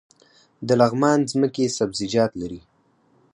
د لغمان ځمکې سبزیجات لري